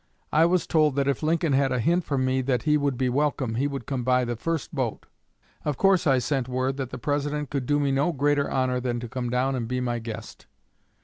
I was told that if Lincoln had a hint from me that he would be welcome he would come by the first boat. Of course I sent word that the President could do me no greater honor than to come down and be my guest.